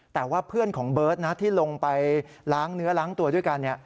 แต่ว่าเพื่อนของเบิร์ตนะที่ลงไปล้างเนื้อล้างตัวด้วยกัน